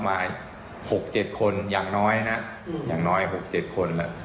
มา๖๗คนอย่างน้อยนะอย่างน้อย๖๗คน